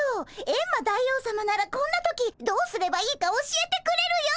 エンマ大王さまならこんな時どうすればいいか教えてくれるよ。